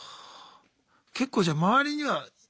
結構じゃあ周りにはいますか？